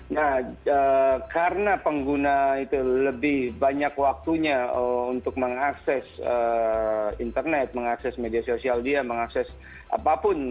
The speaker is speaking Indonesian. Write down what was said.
nah karena pengguna itu lebih banyak waktunya untuk mengakses internet mengakses media sosial dia mengakses apapun